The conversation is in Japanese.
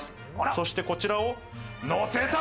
そしてこちらを乗せた！